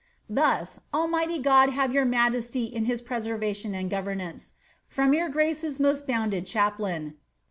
* Thus, Almighty God have your majesty in his preservation and governance. From your grace's most bonnden chaplain.